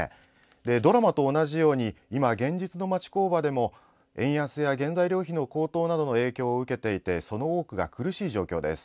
ドラマと同じように今、現実の町工場でも円安や原材料費の高騰などの影響を受けていてその多くが苦しい状況です。